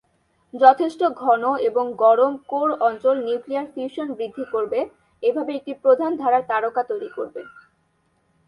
যথেষ্ট ঘন, এবং গরম কোর অঞ্চল নিউক্লিয়ার ফিউশন বৃদ্ধি করবে, এইভাবে একটি প্রধান-ধারার তারকা তৈরি করবে।